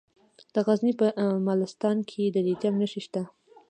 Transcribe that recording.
د غزني په مالستان کې د لیتیم نښې شته.